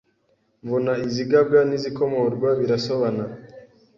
Mbona izigabwa n’izikomorwa birasobana